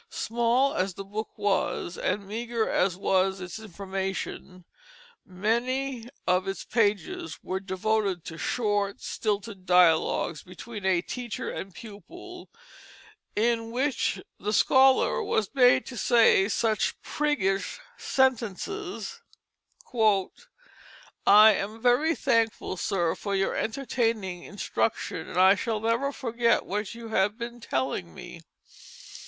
Small as the book was, and meagre as was its information, many of its pages were devoted to short, stilted dialogues between a teacher and pupil, in which the scholar was made to say such priggish sentences: "I am very thankful, sir, for your entertaining instruction, and I shall never forget what you have been telling me.